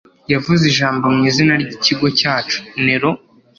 Yavuze ijambo mu izina ryikigo cyacu. (Nero)